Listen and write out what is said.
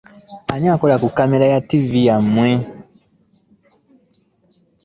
Ani akola ku kkamera yo ku ttivi yammwe?